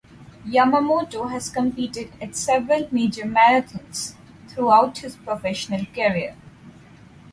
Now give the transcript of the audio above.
Yamamoto has competed at several major marathons throughout his professional career.